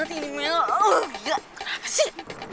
gila kenapa sih